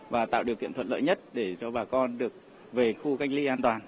và tạo điều kiện thuận lợi nhất để cho bà con được về khu cách ly an toàn